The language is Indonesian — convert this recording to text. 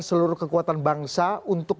seluruh kekuatan bangsa untuk